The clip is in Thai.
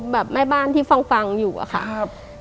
แบบแม่บ้านที่ฟังอยู่อะค่ะ